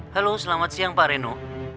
halo selamat siang pak reno